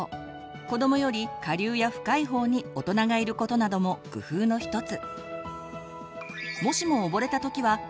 子どもより下流や深いほうに大人がいることなども工夫の一つ。